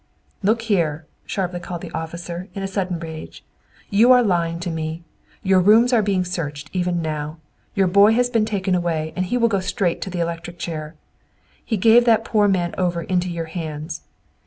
"Look here!" sharply cried the officer, in a sudden rage. "You are lying to me! Your rooms are being searched even now! Your boy has been taken away, and he will go straight to the electric chair. He gave that poor man over into your hands.